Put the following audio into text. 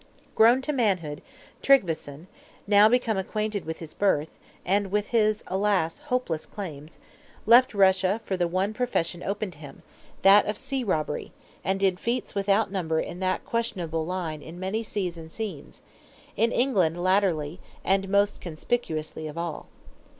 Grown to manhood, Tryggveson, now become acquainted with his birth, and with his, alas, hopeless claims, left Russia for the one profession open to him, that of sea robbery; and did feats without number in that questionable line in many seas and scenes, in England latterly, and most conspicuously of all.